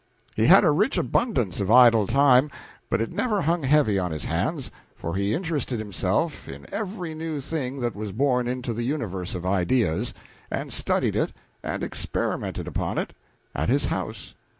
He had a rich abundance of idle time, but it never hung heavy on his hands, for he interested himself in every new thing that was born into the universe of ideas, and studied it and experimented upon it at his house.